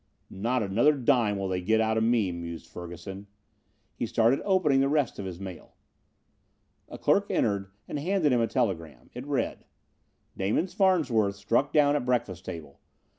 "Not another dime will they get out of me," mused Ferguson. He started opening the rest of his mail. A clerk entered and handed him a telegram. It read: "Damon Farnsworth struck down at breakfast table.